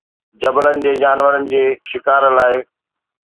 جبلن جي جانورن جي شڪار لاءِ